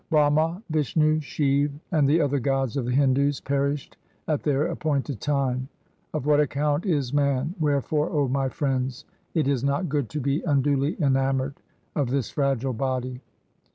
Brahma, Vishnu, Shiv, and the other gods of the Hindus perished at their appointed time. Of what account is man ? Wherefore, O my friends, it is not good to be unduly enamoured of this fragile body.